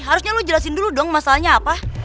harusnya lo jelasin dulu dong masalahnya apa